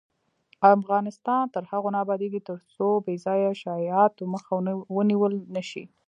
افغانستان تر هغو نه ابادیږي، ترڅو بې ځایه شایعاتو مخه ونیول نشي.